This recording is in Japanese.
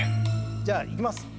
じゃあいきます。